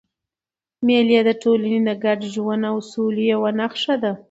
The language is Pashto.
مېلې د ټولني د ګډ ژوند او سولي یوه نخښه ده.